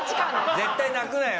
絶対泣くなよ